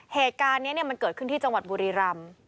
เหตุการณ์นี้มันเกิดขึ้นที่จังหวัดบุรีรำ